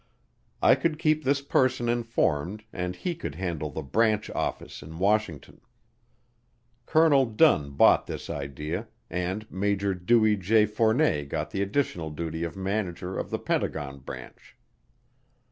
I could keep this person informed and he could handle the "branch office" in Washington. Colonel Dunn bought this idea, and Major Dewey J. Fournet got the additional duty of manager of the Pentagon branch.